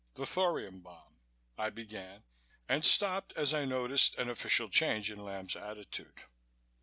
"The thorium bomb " I began, and stopped as I noticed an official change in Lamb's attitude.